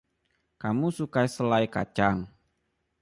Kamu suka selai kacang?